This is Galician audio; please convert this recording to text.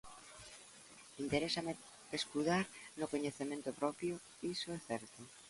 Interésame pescudar no coñecemento propio, iso é certo.